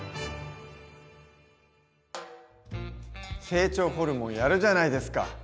成長ホルモンやるじゃないですか！